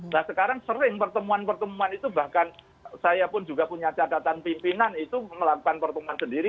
nah sekarang sering pertemuan pertemuan itu bahkan saya pun juga punya catatan pimpinan itu melakukan pertemuan sendiri